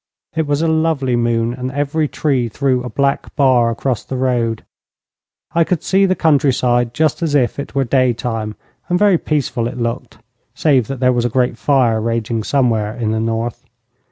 It was a lovely moon, and every tree threw a black bar across the road. I could see the countryside just as if it were daytime, and very peaceful it looked, save that there was a great fire raging somewhere in the north.